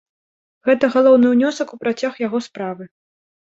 Гэта галоўны ўнёсак у працяг яго справы.